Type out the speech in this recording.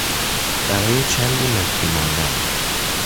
برای چندی مخفی ماندن